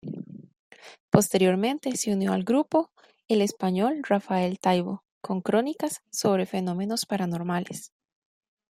Posteriormente, se unió al grupo el español Rafael Taibo, con crónicas sobre fenómenos paranormales.